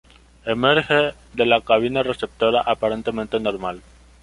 Emerge de la cabina receptora aparentemente normal.